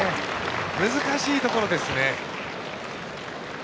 難しいところですね。